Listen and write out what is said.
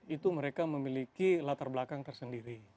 itu mereka memiliki latar belakang tersendiri